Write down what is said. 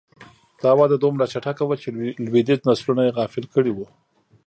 دا وده دومره چټکه وه چې لوېدیځ نسلونه یې غافل کړي وو